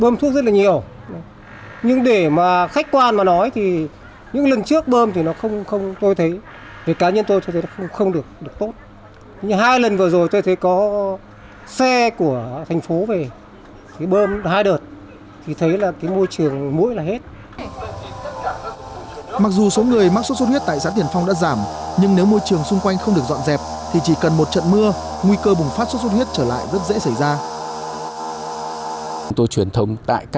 mặc dù số người mắc suốt suốt huyết tại xã tiền phong đã giảm nhưng nếu môi trường xung quanh không được dọn dẹp thì chỉ cần một trận mưa nguy cơ bùng phát suốt suốt huyết trở lại rất dễ xảy ra